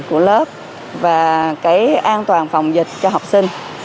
của lớp và cái an toàn phòng dịch cho học sinh